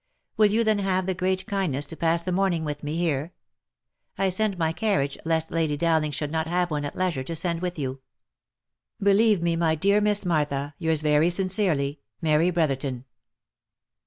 Will you then have the great kindness to pass the morning with me here ? I send my car riage, lest Lady Dowling should not have one at leisure to send with you. " Believe me, my dear Miss Martha, " Yours very sincerely, " Mary Brotherton."